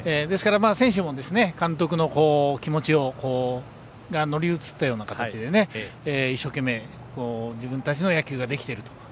ですから、選手も監督の気持ちがのりうつったような形で一生懸命自分たちの野球ができていると。